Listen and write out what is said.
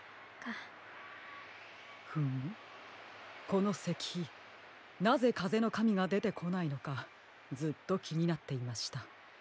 このせきひなぜかぜのかみがでてこないのかずっときになっていました。